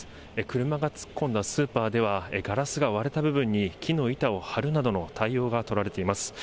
車が突っ込んだスーパーでは、ガラスが割れた部分に木の板を張るなどの対応が取られています。